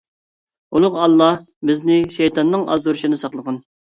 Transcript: ئۇلۇغ ئاللا بىزنى شەيتاننىڭ ئازدۇرۇشىدىن ساقلىغىن!